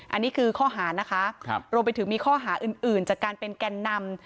อันนี้คือข้อหานะคะรวมไปถึงมีข้อหาอื่นจากการเป็นแก่นนำ